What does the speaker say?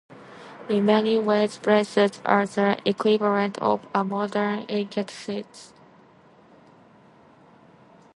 In many ways, braces are the equivalent of a modern yacht's sheets.